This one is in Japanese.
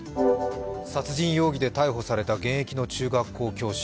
殺人容疑で逮捕された現役の中学校教師。